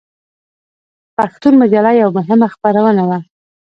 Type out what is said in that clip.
پښتون مجله یوه مهمه خپرونه وه.